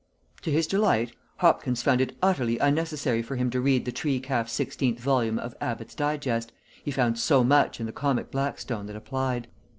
To his delight, Hopkins found it utterly unnecessary for him to read the tree calf sixteenth volume of Abbott's "Digest," he found so much in the "Comic Blackstone" that applied.